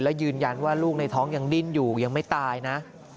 และยืนยันว่าลูกในท้องยังดิ้นอยู่ยังไม่ตายนะ